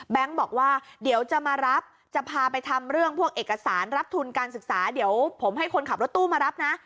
บอกว่าเดี๋ยวจะมารับจะพาไปทำเรื่องพวกเอกสารรับทุนการศึกษาเดี๋ยวผมให้คนขับรถตู้มารับนะ